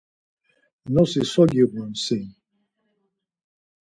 Nosi so giğun sin?